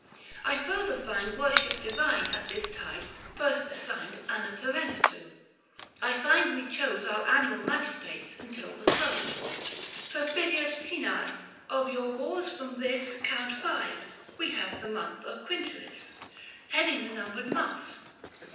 I further find Worship divine, at this tide, first assigned Anna Perenna to. I find we chose Our annual Magistrates until the close, Perfidious Poeni ! of your wars : from this 155 Count five, we have the month of Quintilis Heading the numbered months.